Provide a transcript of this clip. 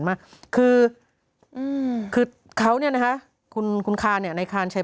เพื่อจะได้ไปอยู่กับครอบครัว